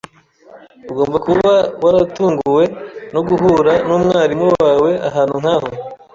Ugomba kuba waratunguwe no guhura numwarimu wawe ahantu nkaho.